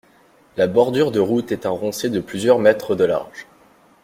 La bordure de route est un roncier de plusieurs mètres de large.